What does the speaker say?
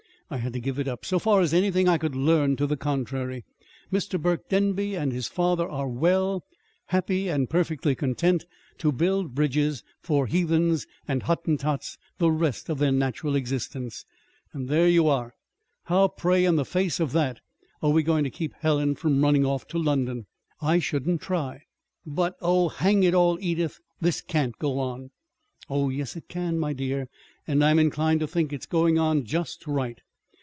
I had to give it up. So far as anything I could learn to the contrary, Mr. Burke Denby and his father are well, happy, and perfectly content to build bridges for heathens and Hottentots the rest of their natural existence. And there you are! How, pray, in the face of that, are we going to keep Helen from running off to London?" "I shouldn't try." "But oh, hang it all, Edith! This can't go on." "Oh, yes, it can, my dear; and I'm inclined to think it's going on just right.